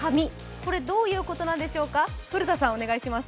これ、どういうことなんでしょうか古田さんお願いします。